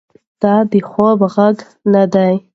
دا د خوب غږ نه دی.